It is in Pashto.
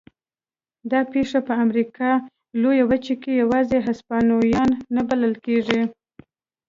دا پېښه په امریکا لویه وچه کې یوازې هسپانویان نه بلل کېږي.